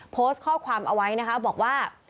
โพสต์ข้อความเอาไว้นะคะบอกว่า